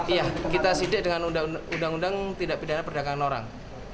iya kita sidik dengan undang undang tidak pidana perdagangan orang